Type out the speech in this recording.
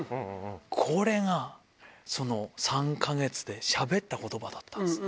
これがその３か月でしゃべったことばだったんですね。